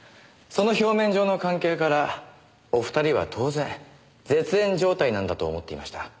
その表面上の関係からお二人は当然絶縁状態なんだと思っていました。